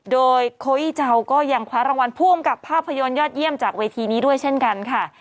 โดยโคอีเจ้าก็ยังคว้ารางวัลผู้อำกับภาพยนตร์ยอดเยี่ยมจากเวทีนี้ด้วยเช่นกันค่ะ